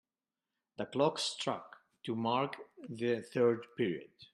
The clock struck to mark the third period.